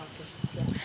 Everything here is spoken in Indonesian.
minta bantuannya aja